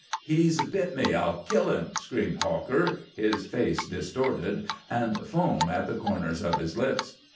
"He's bit me. I'll kill him," screamed Hawker, his face distorted and foam at the corners of his lips.